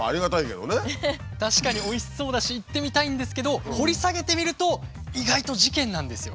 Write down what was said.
確かにおいしそうだし行ってみたいんですけど掘り下げてみると意外と事件なんですよ。